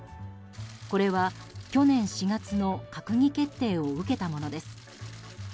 これは、去年４月の閣議決定を受けたものです。